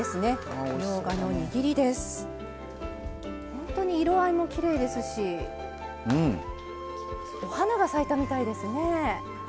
ほんとに色合いもきれいですしお花が咲いたみたいですね。